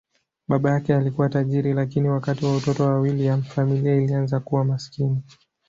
Baba yake alikuwa tajiri, lakini wakati wa utoto wa William, familia ilianza kuwa maskini.